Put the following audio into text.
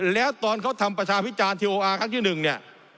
แล้วตอนเขาทำประชาพิจารณทีโออาร์ครั้งที่หนึ่งเนี่ย